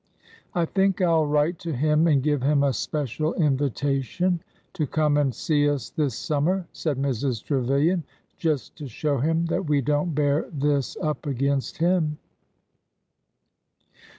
I think I 'll write to him and give him a special in vitation to come and see us this summer," said Mrs. Tre vilian; "just to show him that we don't bear this up against him."